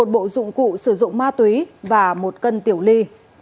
một bộ dụng cụ sử dụng ma túy và một cân tiểu ly